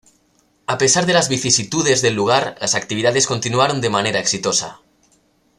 A pesar de las vicisitudes del lugar, las actividades continuaron de manera exitosa.